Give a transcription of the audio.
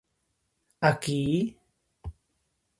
-Aquí...